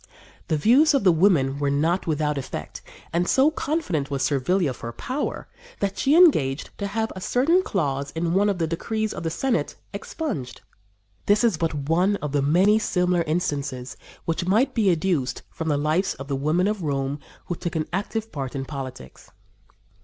The views of the women were not without effect, and so confident was Servilia of her power that she engaged to have a certain clause in one of the decrees of the Senate expunged. This is but one of many similar instances which might be adduced from the lives of the women of Rome who took an active part in politics.